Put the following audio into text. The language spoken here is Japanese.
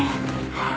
はい。